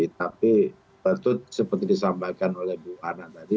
tapi tentu seperti disampaikan oleh bu ana tadi